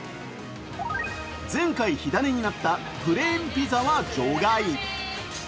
前回火種になったプレーンピザは除外。